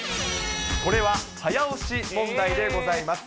これは早押し問題でございます。